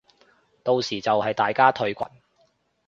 到時就係大家退群